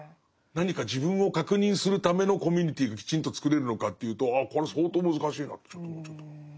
何か自分を確認するためのコミュニティーがきちんと作れるのかというとこれ相当難しいなってちょっと思っちゃった。